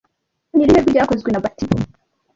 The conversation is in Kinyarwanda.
Ni irihe jwi ryakozwe na bati